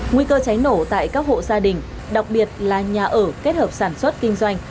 nguy cơ cháy nổ tại các hộ gia đình đặc biệt là nhà ở kết hợp sản xuất kinh doanh